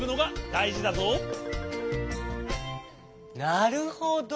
なるほど。